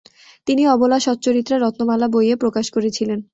তিনি অবলা সচ্চরিত্রা রত্নমালা বইয়ে প্রকাশ করেছিলেন।